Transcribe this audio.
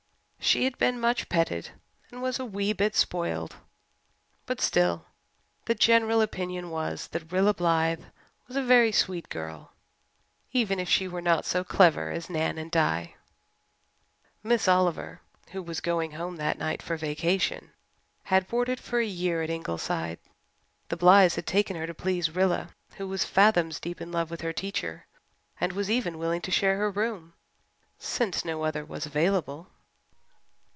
She had been much petted and was a wee bit spoiled, but still the general opinion was that Rilla Blythe was a very sweet girl, even if she were not so clever as Nan and Di. Miss Oliver, who was going home that night for vacation, had boarded for a year at Ingleside. The Blythes had taken her to please Rilla who was fathoms deep in love with her teacher and was even willing to share her room, since no other was available.